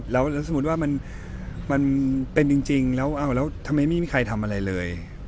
แล้วสมมุติว่ามันเป็นจริงแล้วแล้วทำไมไม่มีใครทำอะไรเลย